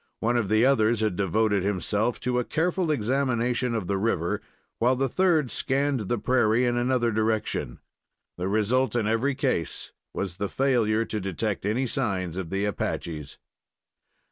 One of the others had devoted himself to a careful examination of the river, while the third scanned the prairie in another direction. The result in every case was the failure to detect any signs of the Apaches.